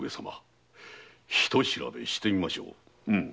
ひと調べしてみましょう。